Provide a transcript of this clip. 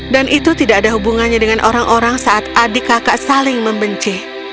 dan itu tidak ada hubungannya dengan orang orang saat adik kakak saling membenci